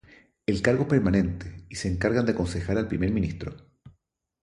El cargo es permanente, y se encargan de aconsejar al Primer Ministro.